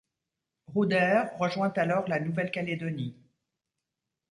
Roudaire rejoint alors la Nouvelle-Calédonie.